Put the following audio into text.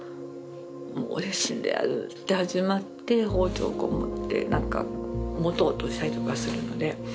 もう俺死んでやるって始まって包丁こう持って何か持とうとしたりとかするので。